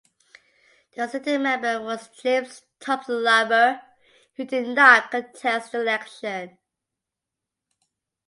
The sitting member was James Thomson (Labour) who did not contest the election.